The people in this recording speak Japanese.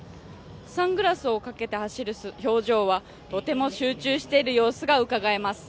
サングラスをかけて走る表情はとても集中している様子がうかがえます。